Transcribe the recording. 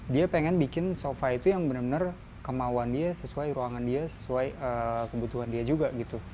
dia pengen bikin sofa itu yang benar benar kemauan dia sesuai ruangan dia sesuai kebutuhan dia juga gitu